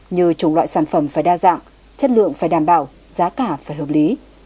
như trồng loại sản phẩm phải đa dạng chất lượng phải đảm bảo giá cả phải hợp lý